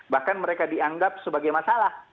bahkan mereka dianggap sebagai masalah